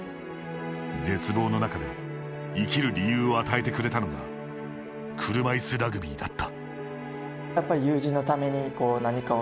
絶望の中で生きる理由を与えてくれたのが車いすラグビーだった。